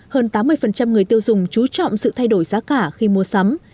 hơn tám mươi người tiêu dùng chú trọng sự thay đổi giá cả khi mua sắm